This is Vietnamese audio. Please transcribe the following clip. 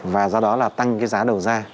và do đó là tăng cái giá đầu ra